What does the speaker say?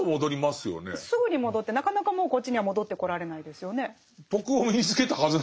すぐに戻ってなかなかもうこっちには戻ってこられないですよね。